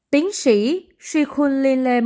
tiến sĩ shikunle moyo